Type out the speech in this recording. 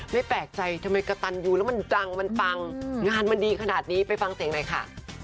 ไม่แปลกใจทำไมกระตันยูแล้วมันดังมันปังงานมันดีขนาดนี้ไปฟังเสียงหน่อยค่ะ